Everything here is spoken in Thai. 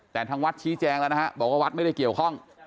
แต่ทางวัดชี้แจงแล้วนะฮะบอกว่าวัดไม่ได้เกี่ยวข้อง